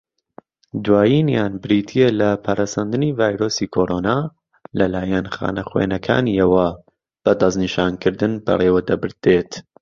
دوایینیان بریتییە لە، پەرەسەندنی ڤایرۆسی کۆڕۆنا لەلایەن خانەخوێنەکانییەوە بە دەستنیشانکردن بەڕێوەدەبردێت.